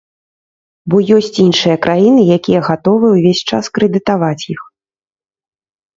Бо ёсць іншыя краіны, якія гатовыя ўвесь час крэдытаваць іх.